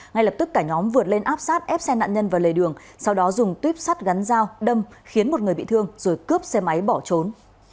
ngay lập tức cả nhóm vượt lên áp sát ép xe nạn nhân vào lề đường sau đó dùng tuyếp sắt gắn dao đâm khiến một người bị thương rồi cướp xe máy bỏ trốn